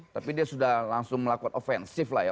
tapi dia sudah langsung melakukan ofensif lah ya